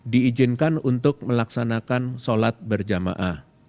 diizinkan untuk melaksanakan sholat berjamaah